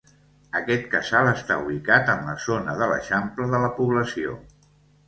Aquest casal està ubicat en la zona de l'eixample de la població.